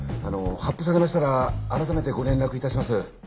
発布されましたら改めてご連絡致します。